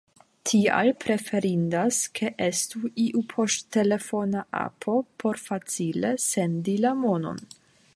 Tial preferindas ke estu iu poŝtelefona apo por facile sendi la monon.